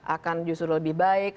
akan justru lebih baik